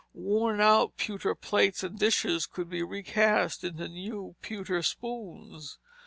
Worn out pewter plates and dishes could be recast into new pewter spoons.